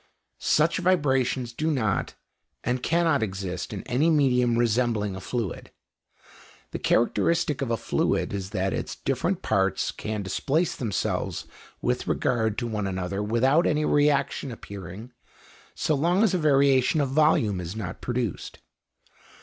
Such vibrations do not and cannot exist in any medium resembling a fluid. The characteristic of a fluid is that its different parts can displace themselves with regard to one another without any reaction appearing so long as a variation of volume is not produced.